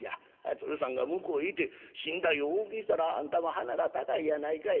鶴さんが向こうへ行て身代をお受けしたらあんたも鼻が高いやないかいな。